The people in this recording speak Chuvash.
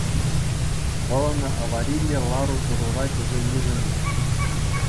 Вӑл ӑна авариллӗ лару-тӑрура тесе йышӑннӑ.